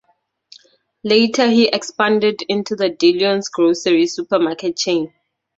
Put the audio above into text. Later he expanded into the Dillons grocery supermarket chain.